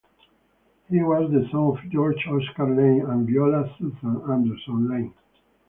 He was the son of George Oscar Lane and Viola Susan (Anderson) Lane.